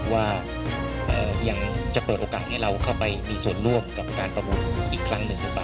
ว่ายังจะเปิดโอกาสให้เราเข้าไปมีส่วนร่วมกับการประมูลอีกครั้งหนึ่งหรือเปล่า